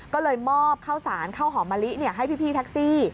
ก็เลยมอบข้าวสารข้าวหอมมะลิให้พี่แท็กซี่